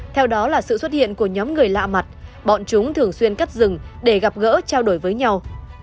theo đó là sự xuất hiện của nhóm người lạ mặt bọn chúng thường xuyên cắt rừng để gặp gỡ trao đổi với nhau